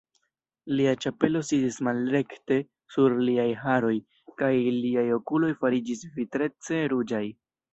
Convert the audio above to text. Lia ĉapelo sidis malrekte sur liaj haroj kaj liaj okuloj fariĝis vitrece ruĝaj.